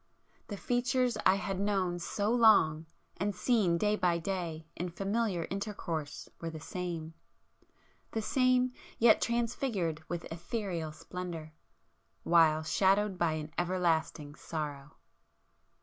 The features I had known so long and seen day by day in familiar intercourse were the same,—the same, yet transfigured with ethereal splendour, while shadowed by an everlasting sorrow!